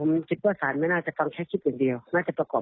ผมคิดว่าศาลไม่น่าจะฟังแค่คลิปอื่นเดียวน่าจะประกอบ